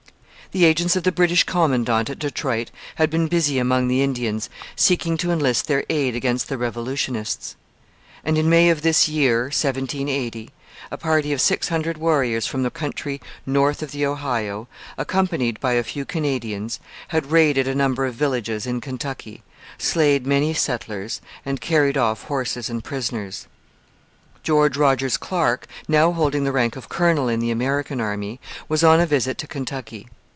The agents of the British commandant at Detroit had been busy among the Indians seeking to enlist their aid against the revolutionists. And in May of this year (1780) a party of six hundred warriors from the country north of the Ohio, accompanied by a few Canadians, had raided a number of villages in Kentucky, slain many settlers, and carried off horses and prisoners. George Rogers Clark, now holding the rank of colonel in the American army, was on a visit to Kentucky.